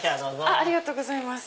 ありがとうございます。